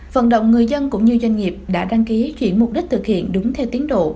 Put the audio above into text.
vận động người dân cũng như doanh nghiệp đã đăng ký chuyển mục đích thực hiện đúng theo tiến độ